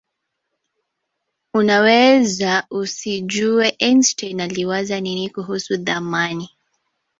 unaweza usijuie einstein aliwaza nini kuhusu thamani